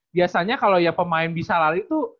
biasanya kalo pemain bisa lari tuh